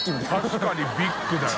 確かにビッグだよ。